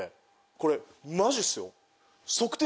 これマジっすよ。